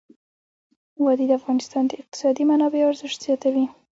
وادي د افغانستان د اقتصادي منابعو ارزښت زیاتوي.